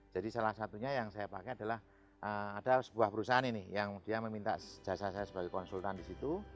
jadi salah satunya yang saya pakai adalah ada sebuah perusahaan ini yang dia meminta jasa saya sebagai konsultan disitu